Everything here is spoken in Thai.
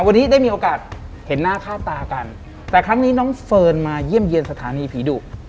วันนี้ได้มีโอกาสเห็นหน้าค่าตากันแต่ครั้งนี้น้องเฟิร์นมาเยี่ยมเยี่ยมสถานีผีดุ